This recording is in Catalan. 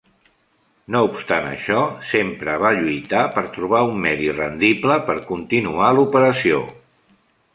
No obstant això, sempre va lluitar per trobar un medi rendible per continuar l'operació.